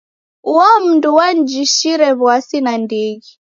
Uo mndu wanijishire w'asi nandighi.